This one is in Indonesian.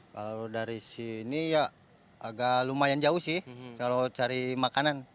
kalau dari sini ya agak lumayan jauh sih kalau cari makanan